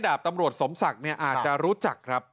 ดาบตำรวจสมศักดิ์เนี่ยอาจจะรู้จักครับ